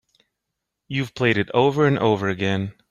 You've played it over and over again.